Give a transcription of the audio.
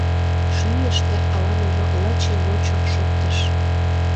Шӱйыштӧ ала-можо лыче-лочо шоктыш...